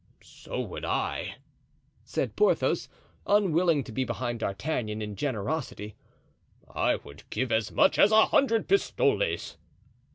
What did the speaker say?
"So would I," said Porthos, unwilling to be behind D'Artagnan in generosity; "I would give as much as a hundred pistoles."